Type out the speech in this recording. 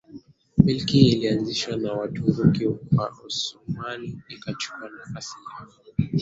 Milki ilianzishwa na Waturuki Waosmani ikachukua nafasi ya